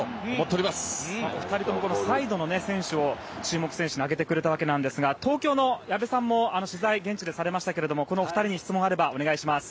お二人ともサイドの選手を注目選手に挙げてくれたわけですが東京の矢部さんも取材、現地でされましたがこの２人に質問があればお願いします。